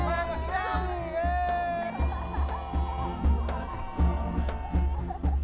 satu dua tiga beep